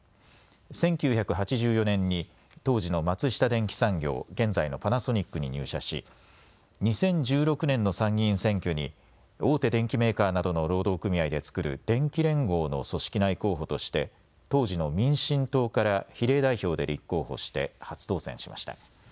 １９８４年に当時の松下電器産業、現在のパナソニックに入社し２０１６年の参議院選挙に大手電機メーカーなどの労働組合で作る電機連合の組織内候補として当時の民進党から比例代表で立候補して初当選しました。